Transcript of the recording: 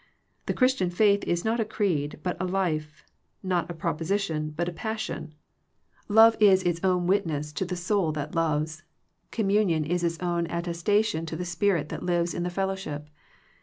The Christian faith is not a creed, but a life; not a proposition, but a passion. Love is its 535 Digitized by VjOOQIC THE HIGHER FRIENDSHIP own witness to the soul that loves: com munion is its own attestation to the spirit that lives in the fellowship.